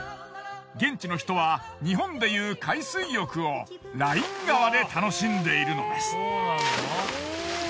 現地の人は日本でいう海水浴をライン川で楽しんでいるのです。